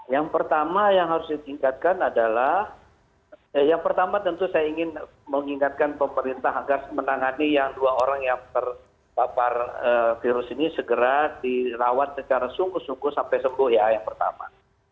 yang pertama yang harus ditingkatkan adalah yang pertama tentu saya ingin mengingatkan pemerintah agar menangani yang dua orang yang terpapar virus ini segera dirawat secara sungguh sungguh sampai sembuh ya yang pertama